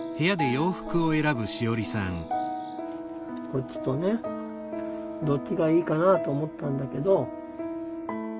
こっちとねどっちがいいかなと思ったんだけど。